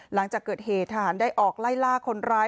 หลังจากเกิดเหตุทหารได้ออกไล่ล่าคนร้าย